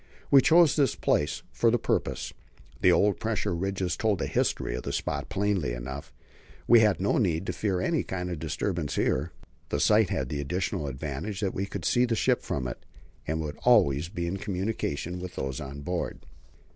We chose this place for the purpose. The old pressure ridges told the history of the spot plainly enough; we had no need to fear any kind of disturbance here. The site had the additional advantage that we could see the ship from it, and would always be in communication with those on board.